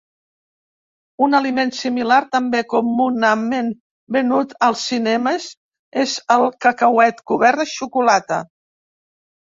Un aliment similar, també comunament venut als cinemes, és el cacauet cobert de xocolata.